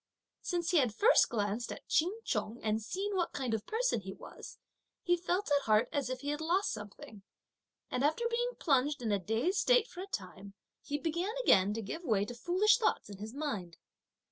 Since he had first glanced at Ch'in Chung, and seen what kind of person he was, he felt at heart as if he had lost something, and after being plunged in a dazed state for a time, he began again to give way to foolish thoughts in his mind.